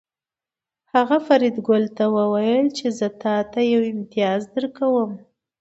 هغه فریدګل ته وویل چې زه تاته یو امتیاز درکوم